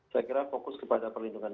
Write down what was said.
saya kira fokus kepada perlindungan